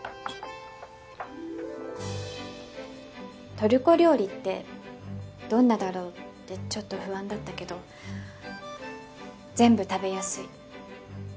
トルコ料理ってどんなだろうってちょっと不安だったけど全部食べやすい。